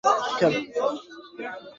দেখি তোদের কে রক্ষা করে!